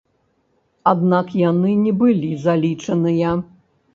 Аднак яны не былі залічаныя.